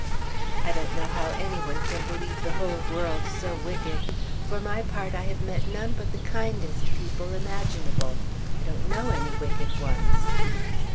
I don't know how any one can believe the whole world so wicked; for my part I have met none but the kindest people imaginable; I don't know any wicked ones.